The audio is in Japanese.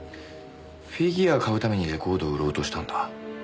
フィギュア買うためにレコード売ろうとしたんだ。